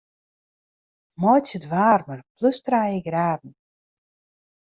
Meitsje it waarmer plus trije graden.